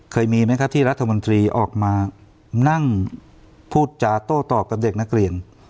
เคยมีไหมครับที่รัฐมนตรีออกมานั่งพูดจาโต้ตอบกับเด็กนักเรียน